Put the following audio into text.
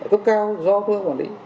cấp cao do tôi quản lý